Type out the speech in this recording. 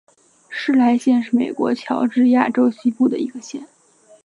施莱县是美国乔治亚州西部的一个县。